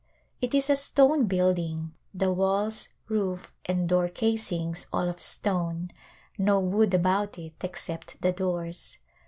It is a stone building, the walls, roof, and door casings ^all of stone, no wood about it except the doors.